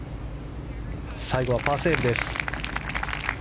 最後はパーセーブです。